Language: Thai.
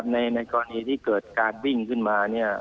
ในอนเฮที่เกิดการวิ่งขึ้นมา